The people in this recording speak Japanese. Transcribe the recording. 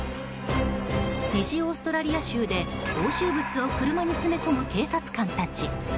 西オーストラリア州で押収物を車に詰め込む警察官たち。